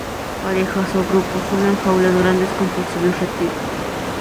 Parejas o grupos solo en jaulas grandes con posibles retiros.